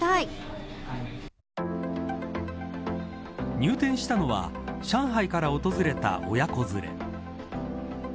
入店したのは上海から訪れた親子連れ。